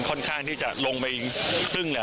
ค่อนข้างที่จะลงไปครึ่งแหละ